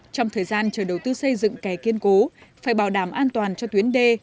trong thời gian chờ đầu tư xây dựng kè kiên cố phải bảo đảm an toàn cho tuyến đê